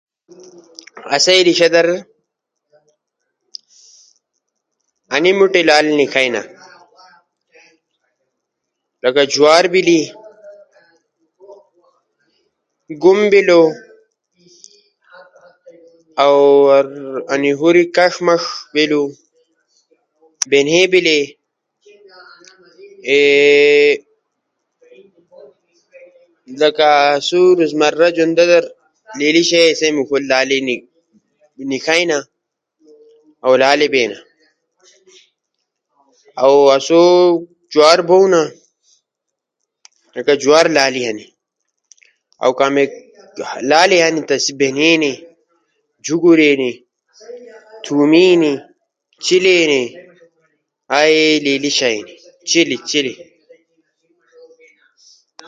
اسئی دیشا در انا موٹی لالو نیکھائینا۔ لکہ جوار بیلی، گوم بیلو، اؤ انا ہورے کݜ مݜ بیلو، بینیئی بیلے، اؤ لکہ لا اسو روزمرہ جے شیئی ہنو اسو تی موݜو لالو اینی۔ اسو جوار بونا، جوار لالے ہنی۔ اؤ کامیک موٹی لالے ہنی تی سا بینیئی ہنی۔ جھوگورے ہنی، تھومی ہنی، چھیلے ہنی، ائی لیلی شیئی ہنی۔ انیس کئی علاوہ سبزی ہنی، لکہ ہر نمونا موٹی اؤ تھومے ہنی۔